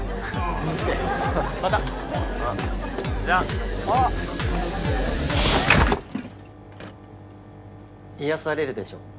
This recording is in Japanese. うるせぇまたああじゃあおう癒やされるでしょ